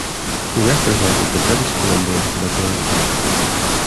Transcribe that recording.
He represented the British Columbia Liberal Party.